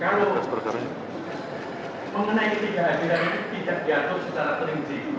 kalau mengenai tiga adilan itu tidak diatur secara terinci